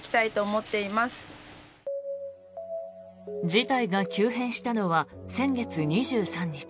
事態が急変したのは先月２３日。